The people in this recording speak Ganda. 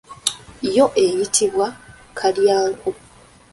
Yo eyitibwa kalyanku.